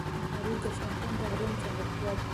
زمرد د افغانستان د اقلیم ځانګړتیا ده.